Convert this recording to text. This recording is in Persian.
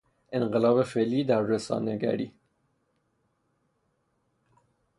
انقلاب فعلی در رسانگری